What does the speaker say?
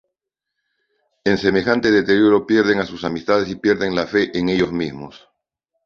En semejante deterioro, pierden a sus amistades y pierden la fe en ellos mismos.